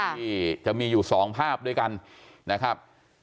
ที่จะมีอยู่๒ภาพด้วยกันนะครับ